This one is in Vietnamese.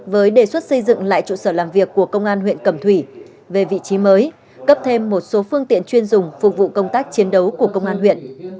với đề xuất xây dựng lại trụ sở làm việc của công an huyện cẩm thủy về vị trí mới cấp thêm một số phương tiện chuyên dùng phục vụ công tác chiến đấu của công an huyện